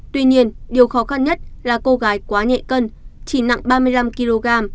tuy nhiên điều khó khăn nhất là cô gái quá nhẹ cân chỉ nặng ba mươi năm kg